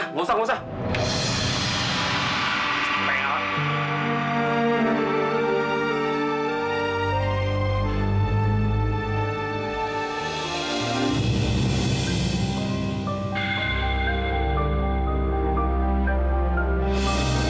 nggak usah nggak usah